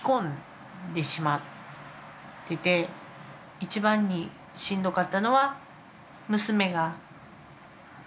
一番にしんどかったのは。